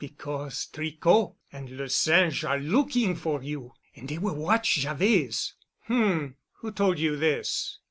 "Because Tricot and Le Singe are looking for you and dey will watch Javet's." "H m. Who told you this?"